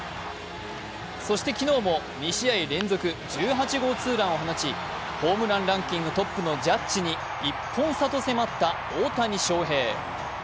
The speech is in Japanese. そして昨日も２試合連続１８号ツーランを放ち、ホームランランキングトップのジャッジに１本差と迫った大谷翔平。